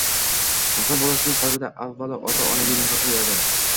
Inson bolasining qalbida avvalo ota-onaga mehr quyadi